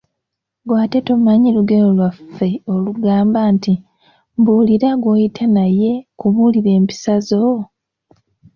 Ggwe ate tomanyi lugero lwaffe olugamba nti , "Mbuulira gw'oyita naye nkubuulire empisa zo" ?